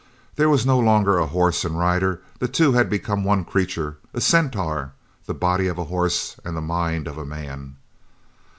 There was no longer a horse and rider the two had become one creature a centaur the body of a horse and the mind of a man.